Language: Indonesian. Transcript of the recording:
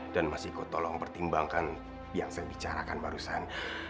dan masih kau tolong pertimbangkan yang saya bicarakan barusan